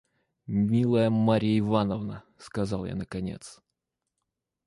«Милая Марья Ивановна! – сказал я наконец.